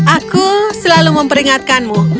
aku selalu memperingatkanmu